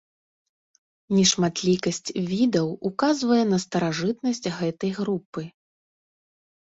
Нешматлікасць відаў указвае на старажытнасць гэтай групы.